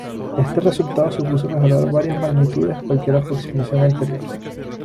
Este resultado supuso mejorar varias magnitudes cualquier aproximación anterior.